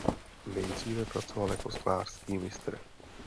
Nejdříve pracoval jako sklářský mistr.